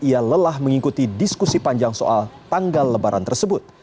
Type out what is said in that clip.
ia lelah mengikuti diskusi panjang soal tanggal lebaran tersebut